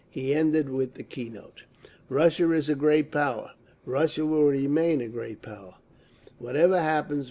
_ He ended with the key note: "Russia is a great power. Russia will remain a great power, whatever happens.